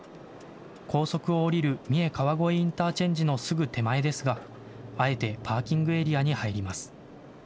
高速を降りるみえ川越インターチェンジのすぐ手前ですが、あえてパーキングエリアに入ります。